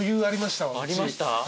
ありました？